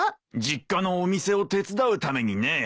実家のお店を手伝うためにね。